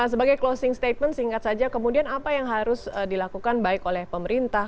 sebagai closing statement singkat saja kemudian apa yang harus dilakukan baik oleh pemerintah